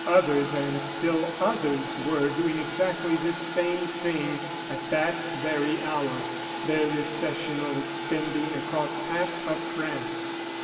Others and still others were doing exactly this same thing at that very hour, their recessional extending across half of France.